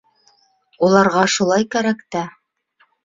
Уларға шулай кәрәк тә.